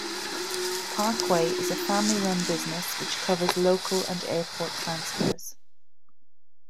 Parkway is a family run business which covers local and airport transfers.